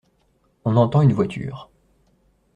On entend une voiture.